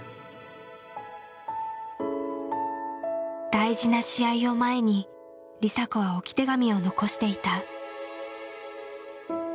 大事な試合を前に梨紗子は置き手紙を残していた。